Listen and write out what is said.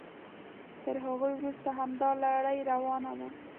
تر هغوی وروسته همدا لړۍ روانه وه.